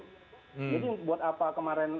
jadi buat apa kemarin